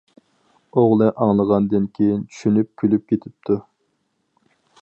ئوغلى ئاڭلىغاندىن كېيىن چۈشىنىپ كۈلۈپ كېتىپتۇ.